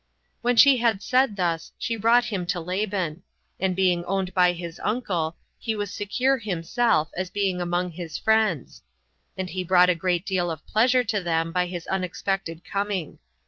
6. When she had said thus, she brought him to Laban; and being owned by his uncle, he was secure himself, as being among his friends; and he brought a great deal of pleasure to them by his unexpected coning.